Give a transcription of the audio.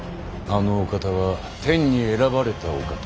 あのお方は天に選ばれたお方。